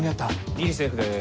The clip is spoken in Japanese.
ギリセーフです。